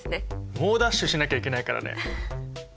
猛ダッシュしなきゃいけないからね。